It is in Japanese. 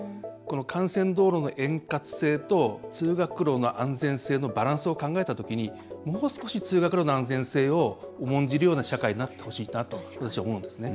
幹線道路の円滑性と通学路の安全性のバランスを考えたときにもう少し、通学路の安全性を重んじるような社会になってほしいなと私は思うんですね。